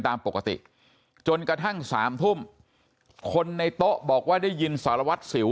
ตามปกติจนกระทั่งสามทุ่มคนในโต๊ะบอกว่าได้ยินสารวัตรสิว